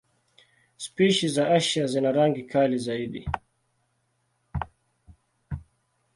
Spishi za Asia zina rangi kali zaidi.